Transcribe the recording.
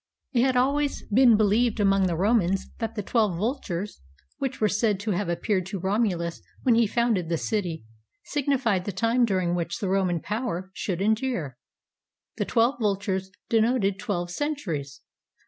It had always been believed among the Romans that the twelve vultures, which were said to have appeared to Romulus when he founded the city, signified the time during which the Roman power should endure. The twelve vultures denoted twelve centuries.